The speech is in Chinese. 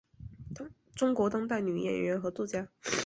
中国当代女演员和作家。